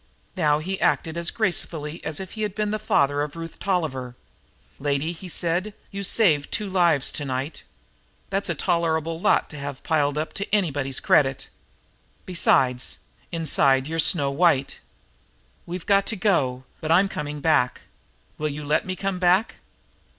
Now he acted as gracefully as if he had been the father of Ruth Tolliver. "Lady," he said, "you've saved two lives tonight. That's a tolerable lot to have piled up to anybody's credit. Besides, inside you're snow white. We've got to go, but I'm coming back. Will you let me come back?"